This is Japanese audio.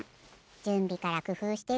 じゅんびからくふうしてる。